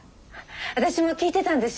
私も聴いてたんですよ